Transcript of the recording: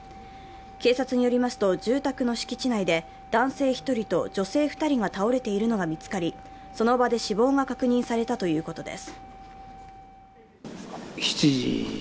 警察によりますと住宅の敷地内で男性１人と女性２人が倒れているのが見つかり、その場で死亡が確認されたということです。